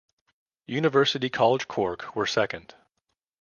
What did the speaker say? University College Cork were second.